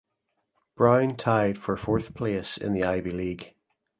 Brown tied for fourth place in the Ivy League.